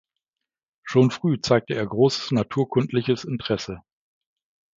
Schon früh zeigte er großes naturkundliches Interesse.